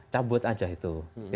cabut saja itu